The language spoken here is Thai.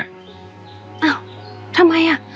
อ้าวทำไมอ่ะ